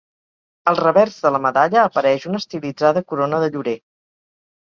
Al revers de la medalla apareix una estilitzada corona de llorer.